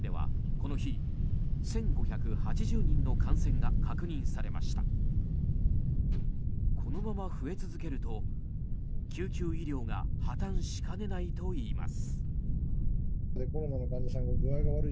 このまま増え続けると救急医療が破たんしかねないといいます。